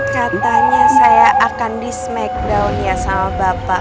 katanya saya akan di smackdown ya sama bapak